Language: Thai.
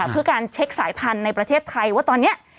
เพื่อการเช็คสายพันธุ์ในประเทศไทยว่าตอนนี้